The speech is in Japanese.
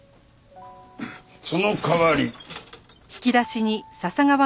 その代わり。